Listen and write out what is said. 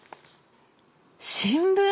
新聞？